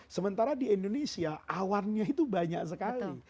sementara di indonesia awannya itu banyak sekali